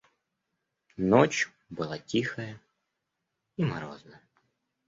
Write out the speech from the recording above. Ночь была тихая и морозная.